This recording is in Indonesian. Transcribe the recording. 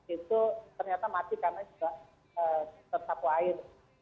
itu ternyata mati karena juga tersapu air